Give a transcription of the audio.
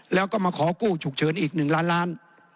แล้วก็มาขอกู้ฉุกเฉินอีก๑ล้านล้าน